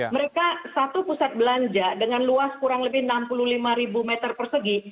mereka satu pusat belanja dengan luas kurang lebih enam puluh lima meter persegi